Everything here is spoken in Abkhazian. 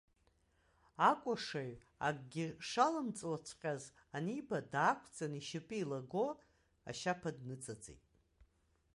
Акәашаҩ, акгьы шалымҵуаҵәҟьаз аниба, даақәҵын, ишьапы еилаго ашьаԥа дныҵыҵит.